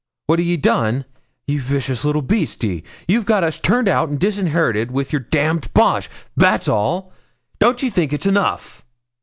'What a' ye done? Ye vicious little beast, ye! You've got us turned out an' disinherited wi' yer d d bosh, that's all; don't ye think it's enough?'